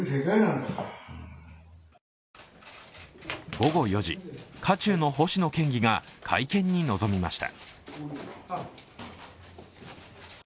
午後４時、渦中の星野県議が会見に臨みました。